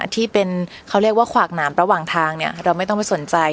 ที่เป็นเขาเรียกว่าขวากหนามระหว่างทางเราไม่ต้องไปสนใจ